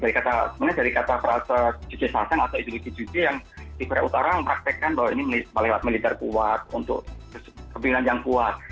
jadi kan macam ideologi dari kata sebenarnya dari kata kata juche sasang atau ideologi juche yang di korea utara mempraktekkan bahwa ini melewat militer kuat untuk kebebasan yang kuat